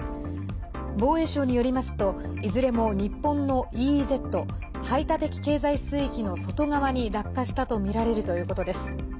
防衛省によりますと、いずれも日本のＥＥＺ＝排他的経済水域の外側に落下したとみられるということです。